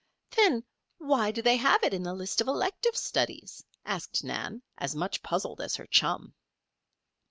"Then why do they have it in the list of elective studies?" asked Nan, as much puzzled as her chum.